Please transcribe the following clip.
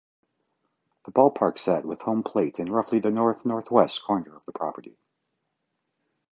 The ballpark sat with home plate in roughly the north-northwest corner of the property.